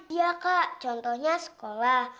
iya kak contohnya sekolah